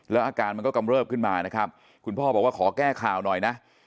แล้วอาการมันก็กำเริบขึ้นมานะครับคุณพ่อบอกว่าขอแก้ข่าวหน่อยนะ